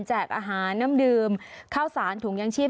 อาหารน้ำดื่มข้าวสารถุงยางชีพ